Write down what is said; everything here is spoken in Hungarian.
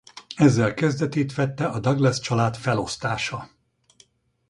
Ezzel kezdetét vette a Douglas család felosztása.